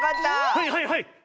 はいはいはい。